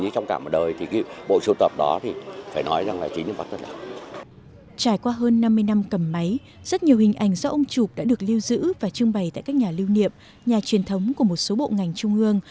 trải qua hơn năm mươi năm cầm máy rất nhiều hình ảnh do ông trục đã được lưu giữ và trưng bày tại các nhà lưu niệm nhà truyền thống của một số bộ ngành trung ương